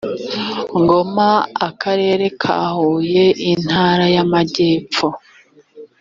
ngoma akarere ka huye intara y amajyepfo